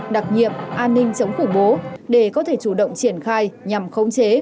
đặc nhiệm an ninh chống khủng bố để có thể chủ động triển khai nhằm khống chế